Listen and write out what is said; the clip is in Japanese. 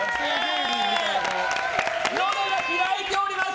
のどが開いております。